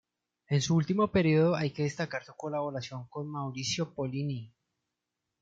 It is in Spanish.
En su último periodo hay que destacar su colaboración con Maurizio Pollini.